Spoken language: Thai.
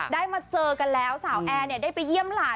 ได้มาเจอกันแล้วสาวแอร์ได้ไปเยี่ยมหลาน